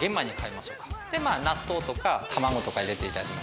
納豆とか卵とか入れていただいても。